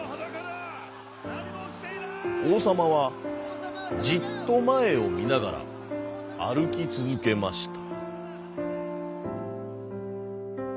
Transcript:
おうさまはじっとまえをみながらあるきつづけました。